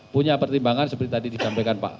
punya pertimbangan seperti tadi disampaikan pak